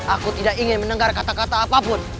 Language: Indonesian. aku tidak ingin mendengar kata kata apapun